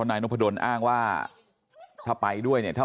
น้าสาวของน้าผู้ต้องหาเป็นยังไงไปดูนะครับ